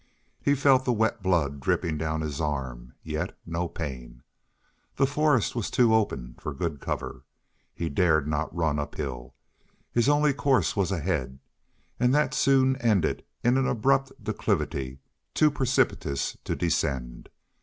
He felt the wet blood dripping down his arm, yet no pain. The forest was too open for good cover. He dared not run uphill. His only course was ahead, and that soon ended in an abrupt declivity too precipitous to descend.